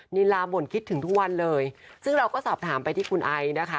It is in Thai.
นิลาบ่นคิดถึงทุกวันเลยซึ่งเราก็สอบถามไปที่คุณไอนะคะ